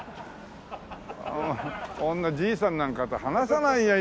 こんなじいさんなんかと話さないよ